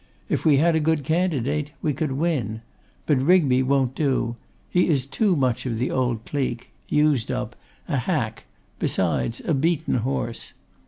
If we had a good candidate we could win. But Rigby won't do. He is too much of the old clique; used up; a hack; besides, a beaten horse.